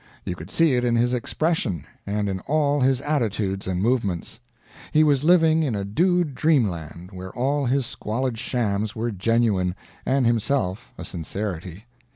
You could see it in his expression, and in all his attitudes and movements. He was living in a dude dreamland where all his squalid shams were genuine, and himself a sincerity.